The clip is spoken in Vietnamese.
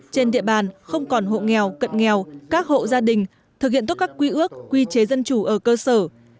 trên địa bàn không còn hộ nghèo cận nghèo các hộ gia đình thực hiện tốt các quy ước quy chế dân chủ ở cơ sở